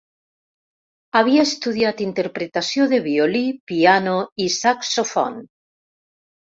Havia estudiat interpretació de violí, piano i saxofon.